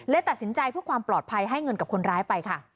ตัดสินใจเพื่อความปลอดภัยให้เงินกับคนร้ายไปค่ะ